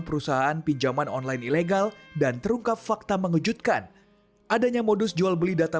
perusahaan pinjaman online ilegal dan terungkap fakta mengejutkan adanya modus jual beli data